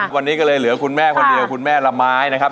วันนี้ก็เลยเหลือคุณแม่คนเดียวคุณแม่ละไม้นะครับ